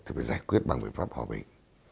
thì phải giải quyết bằng biện pháp hòa bình